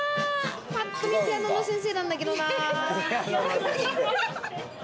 ぱっと見、ピアノの先生なんだけどな。